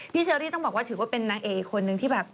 เชอรี่ต้องบอกว่าถือว่าเป็นนางเอกอีกคนนึงที่แบบ